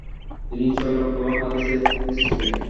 তিনি ছয় লক্ষ হাদীছের হাফেয ছিলেন।